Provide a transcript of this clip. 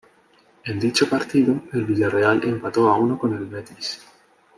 En dicho partido, el Villarreal empató a uno con el Betis.